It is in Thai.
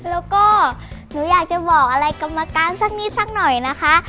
แล้วก็หนูอยากจะบอกอะไรกรรมการสักนิดสักหน่อยนะคะ